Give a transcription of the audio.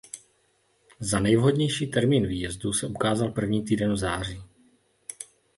Za nejvhodnější termín výjezdu se ukázal první týden v září.